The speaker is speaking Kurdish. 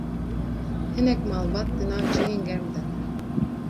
hinek malbat di nav cihên germ de ne